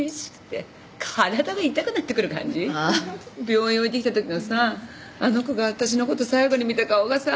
病院置いてきたときのさあの子が私のこと最後に見た顔がさ。